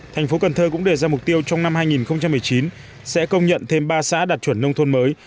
thành phố cần thơ cũng đề ra mục tiêu trong năm hai nghìn một mươi chín sẽ công nhận thêm ba xã đạt chuẩn nông thôn mới